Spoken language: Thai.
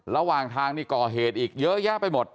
ระหว่างทางนี่ก่อเหตุอีกเยอะแยะไปหมด